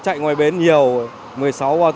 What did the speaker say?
thời tiết ủng hộ